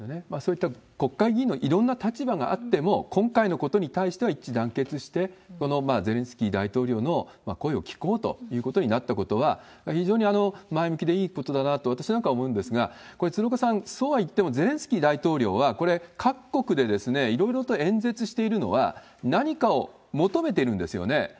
そういった国会議員のいろんな立場があっても、今回のことに対しては一致団結して、ゼレンスキー大統領の声を聞こうということになったことは、非常に前向きでいいことだなと、私なんかは思うんですが、これ、鶴岡さん、そうはいってもゼレンスキー大統領は、これ、各国でいろいろと演説しているのは、何かを求めてるんですよね。